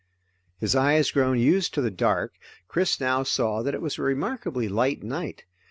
His eyes grown used to the dark, Chris now saw that it was a remarkably light night.